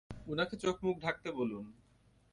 উনাকে চোখমুখ ঢাকতে বলুন!